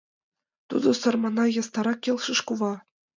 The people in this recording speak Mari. — Тудо, сарманай, ястарак, — келшыш кува.